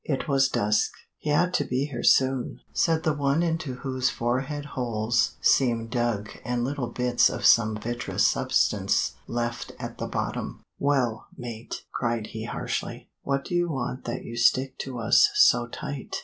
It was dusk. "He ought to be here soon," said the one into whose forehead holes seemed dug and little bits of some vitreous substance left at the bottom. "Well, mate," cried he harshly, "what do you want that you stick to us so tight?"